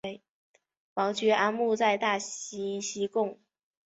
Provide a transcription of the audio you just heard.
王居安墓在大溪西贡。